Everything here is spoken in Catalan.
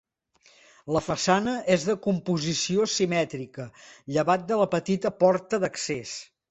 La façana és de composició simètrica llevat de la petita porta d'accés.